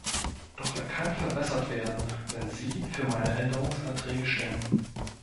Doch er kann verbessert werden, wenn Sie für meine Änderungsanträge stimmen.